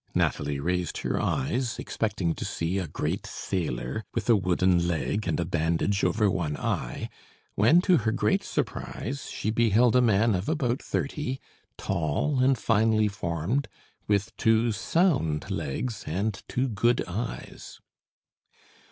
Nathalie raised her eyes, expecting to see a great sailor, with a wooden leg and a bandage over one eye; when to her great surprise, she beheld a man of about thirty, tall and finely formed, with two sound legs and two good eyes.